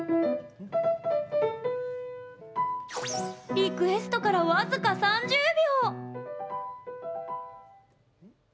リクエストから僅か３０秒。